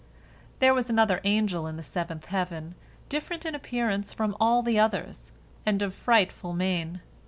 There was another angel in the seventh heaven, different in appearance from all the others, and of frightful mien.